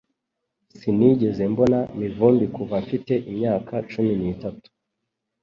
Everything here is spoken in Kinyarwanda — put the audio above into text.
Sinigeze mbona Mivumbi kuva mfite imyaka cumi n'itatu